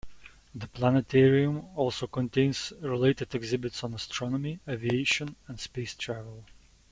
The planetarium also contains related exhibits on astronomy, aviation, and space travel.